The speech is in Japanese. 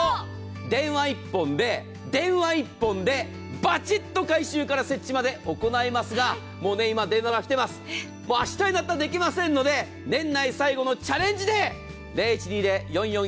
電話１本で、電話１本でバチッと回収から設置まで行いますがもう今電話が来ています、明日になったらできませんので、年内最後のチャレンジデー。